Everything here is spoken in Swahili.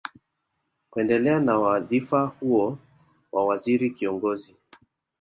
Kuendelea na wadhifa huo wa waziri kiongozi